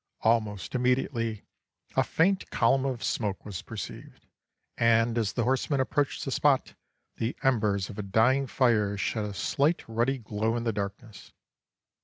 Almost immediately, a faint column of smoke was perceived, and as the horsemen approached the spot, the embers of a dying fire shed a slight ruddy glow in the darkness.